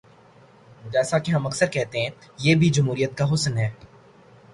جیسا کہ ہم اکثر کہتے ہیں، یہ بھی جمہوریت کا حسن ہے۔